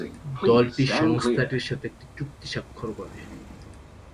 দলটি সংস্থাটির সাথে একটি চুক্তি স্বাক্ষর করে।